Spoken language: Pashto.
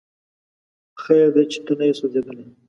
خیر دی چې ته نه یې سوځېدلی